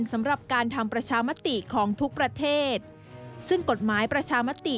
สำหรับการทำประชามติของทุกประเทศซึ่งกฎหมายประชามติ